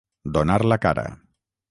Donar la cara.